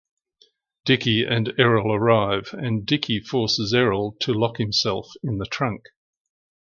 Dickie and Errol arrive and Dickie forces Errol to lock himself in the trunk.